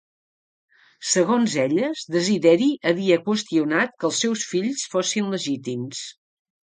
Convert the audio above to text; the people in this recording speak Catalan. Segons elles, Desideri havia qüestionat que els seus fills fossin legítims.